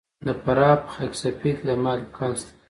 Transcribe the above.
د فراه په خاک سفید کې د مالګې کان شته.